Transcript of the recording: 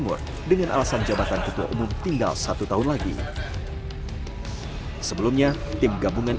menpora menegaskan pemerintah tidak akan melakukan